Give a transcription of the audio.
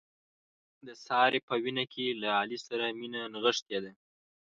د سارې په وینه کې له علي سره مینه نغښتې ده.